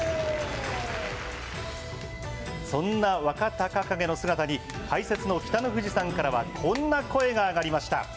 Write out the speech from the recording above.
そんな若隆景の姿に、解説の北の富士さんからはこんな声が上がりました。